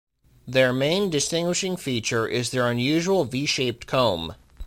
Their main distinguishing feature is their unusual V-shaped comb.